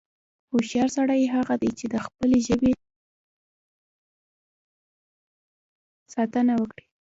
هوښیار سړی هغه دی، چې د خپلې ژبې ساتنه وکړي.